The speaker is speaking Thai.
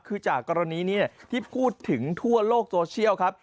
คือจากกรณีนี้ที่พูดถึงทั่วโลกโซเชียลครับ